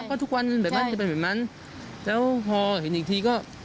ก็ทุกวันแบบนั้นแล้วพอเห็นอีกทีก็